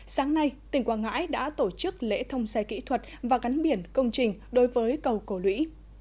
sáng nay tỉnh quảng ngãi đã tổ chức lễ thông xe kỹ thuật và gắn biển công trình đối với cầu cổ lũy